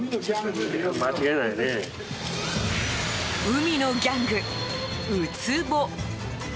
海のギャング、ウツボ。